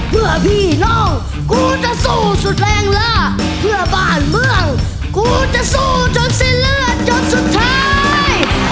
เพื่อพี่น้องกูจะสู้สุดแรงล่าเพื่อบ้านเมืองกูจะสู้จนสิ้นเลื่อจนสุดท้าย